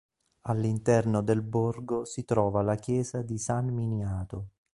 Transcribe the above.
All'interno del borgo si trova la chiesa di San Miniato.